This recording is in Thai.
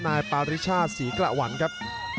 นายปาริชาติศรีกระหวังครับ